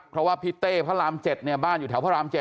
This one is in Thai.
เพราะว่าพี่เต้พระราม๗บ้านอยู่แถวพระราม๗